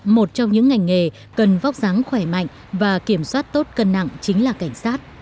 một trong những ngành nghề cần vóc dáng khỏe mạnh và kiểm soát tốt cân nặng chính là cảnh sát